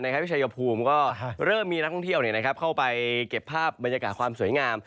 ที่ชายภูมิก็เริ่มมีนักท่องเที่ยวเข้าไปเก็บภาพบรรยากาศความสวยงาม